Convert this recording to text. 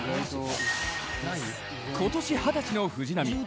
今年二十歳の藤波。